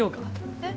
えっ。